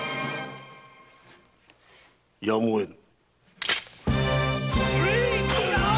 やむをえぬ。